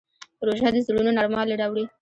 روژه د زړونو نرموالی راوړي.